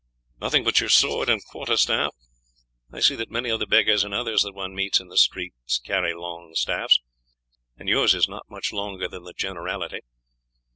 "Nothing but your sword and quarter staff. I see that many of the beggars and others that one meets in the streets carry long staffs, and yours is not much longer than the generality.